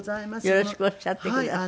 よろしくおっしゃってください。